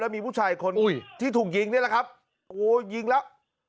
มีผู้ชายคนที่ถูกยิงนี่แหละครับโอ้ยิงแล้ว